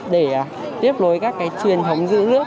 để tiếp nối các truyền thống dữ lước